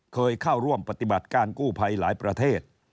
เคยเข้าร่วมปฏิบัติการกู้ภัยหลายประเทศ